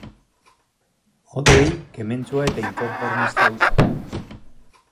Hodei kementsua eta inkonformista hutsa da.